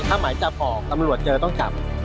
ถ้าหมายจับออกตำรวจเจอต้องจับ